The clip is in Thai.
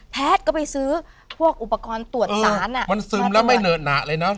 แพทย์ก็ไปซื้อพวกอุปกรณ์ตรวจสารอ่ะมันซึมแล้วไม่เหนอหนาเลยนะ